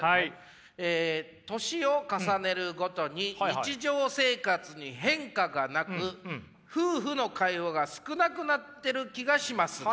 「年を重ねるごとに日常生活に変化がなく夫婦の会話が少なくなってる気がします。